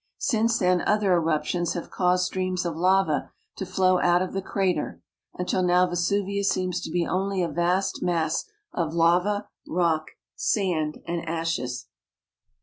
Since then other eruptions have caused streams of lava to flow out of the crater, until now Vesuvius seems to be only a vast mass of lava, rock, sand, and ashes.